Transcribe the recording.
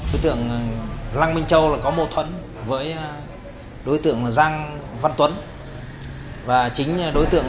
hùng thủ ra tay sát hại nạn nhân lăng minh châu vẫn là một ẩn số